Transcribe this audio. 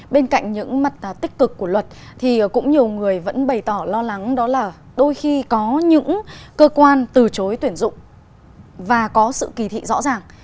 bên cạnh những mặt tích cực của luật thì cũng nhiều người vẫn bày tỏ lo lắng đó là đôi khi có những cơ quan từ chối tuyển dụng và có sự kỳ thị rõ ràng